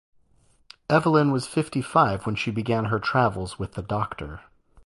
Evelyn was fifty-five when she began her travels with the Doctor.